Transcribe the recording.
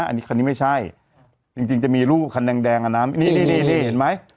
อันนี้คันนี้ไม่ใช่จริงจริงจะมีลูกคันแดงแดงอ่ะน้ำนี่นี่นี่นี่เห็นไหม